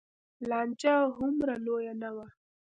لانجه هومره لویه نه وه.